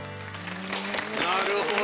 なるほど。